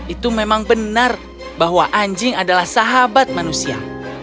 itu memang benar bahwa anjing adalah sahabat manusia